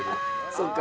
そうか。